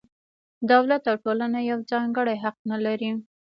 دولت او ټولنه یو ځانګړی حق نه لري.